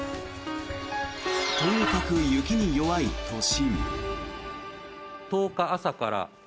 とにかく雪に弱い都心。